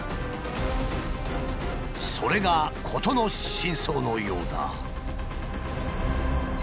それが事の真相のようだ。